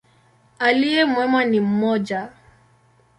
Aliye mwema ni mmoja.